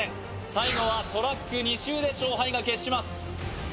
最後はトラック２周で勝敗が決します